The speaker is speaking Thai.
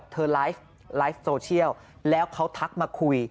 ไลฟ์ไลฟ์โซเชียลแล้วเขาทักมาคุย